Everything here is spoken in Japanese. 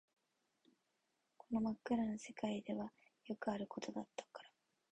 この真っ暗な世界ではよくあることだったから